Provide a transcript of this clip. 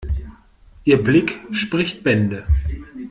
Ihr Blick spricht Bände.